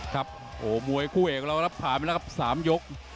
ครับโอ้โหมวยคู่เอกเรารับผ่านไปแล้วครับ๓ยก